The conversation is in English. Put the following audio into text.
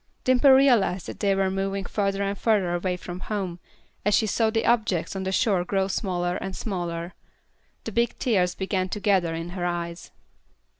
Dimple realized that they were moving further and further away from home, as she saw the objects on the shore grow smaller and smaller. The big tears began to gather in her eyes.